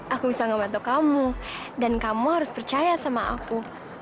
aku bisa ngebantu kamu dan kamu harus percaya sama aku